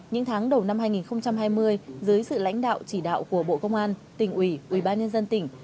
những tháng đầu năm hai nghìn hai mươi dưới sự lãnh đạo chỉ đạo của bộ công an tỉnh ủy ubnd tỉnh